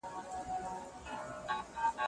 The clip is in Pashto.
دا ليکلي پاڼي له هغو پاکې دي؟!